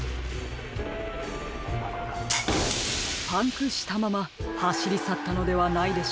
パンクしたままはしりさったのではないでしょうか。